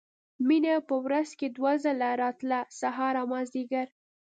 مينه په ورځ کښې دوه ځله راتله سهار او مازديګر.